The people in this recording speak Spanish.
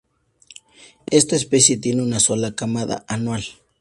Esta especie tiene una sola camada anual.